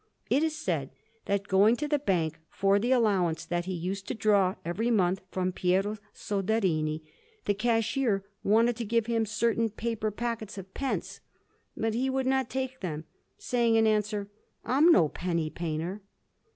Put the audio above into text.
It is said that, going to the bank for the allowance that he used to draw every month from Piero Soderini, the cashier wanted to give him certain paper packets of pence; but he would not take them, saying in answer, "I am no penny painter."